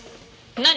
何？